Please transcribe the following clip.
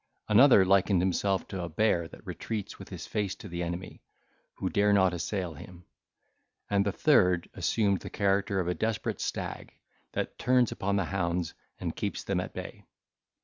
Another likened himself to a bear that retreats with his face to the enemy, who dare not assail him; and the third assumed the character of a desperate stag, that turns upon the hounds and keeps them at bay.